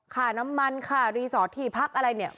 ค่าน้ำมันค่ารีสอร์ทที่พักอะไรเนี่ย